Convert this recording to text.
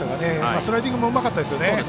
スライディングもうまかったですね。